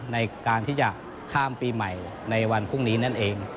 ในการที่จะข้ามปีใหม่ในวันพรุ่งนี้นั่นเอง